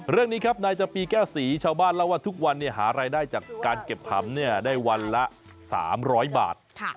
เรื่องนี้ครับนายจำปีแก้วศรีชาวบ้านเล่าว่าทุกวันหารายได้จากการเก็บผำได้วันละ๓๐๐บาท